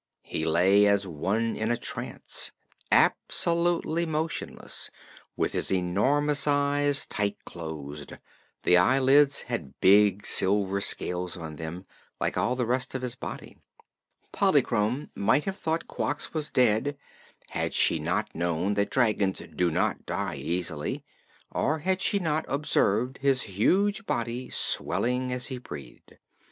He lay as one in a trance, absolutely motionless, with his enormous eyes tight closed. The eyelids had big silver scales on them, like all the rest of his body. Polychrome might have thought Quox was dead had she not known that dragons do not die easily or had she not observed his huge body swelling as he breathed.